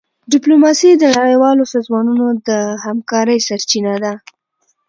ډيپلوماسي د نړیوالو سازمانونو د همکارۍ سرچینه ده.